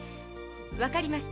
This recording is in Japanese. わかりました。